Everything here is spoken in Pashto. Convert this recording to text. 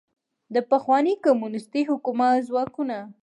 د پخواني کمونیستي حکومت ځواکونو